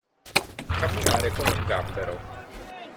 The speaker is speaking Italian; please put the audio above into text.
Camminare come un gambero.